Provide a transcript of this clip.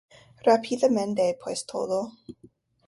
Rápidamente, pues, todo.